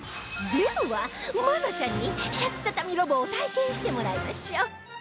では愛菜ちゃんにシャツたたみロボを体験してもらいましょう